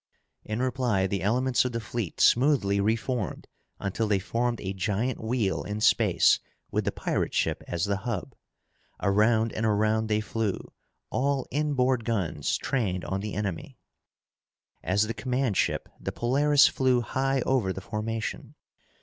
In reply, the elements of the fleet smoothly reformed until they formed a giant wheel in space with the pirate ship as the hub. Around and around they flew, all inboard guns trained on the enemy. As the command ship, the Polaris flew high over the formation.